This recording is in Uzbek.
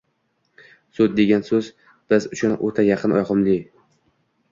«sud» degan so‘z biz uchun o‘ta yaqin, yoqimli